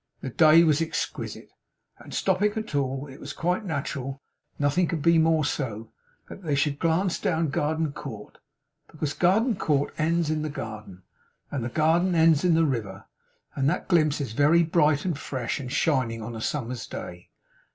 The day was exquisite; and stopping at all, it was quite natural nothing could be more so that they should glance down Garden Court; because Garden Court ends in the Garden, and the Garden ends in the River, and that glimpse is very bright and fresh and shining on a summer's day.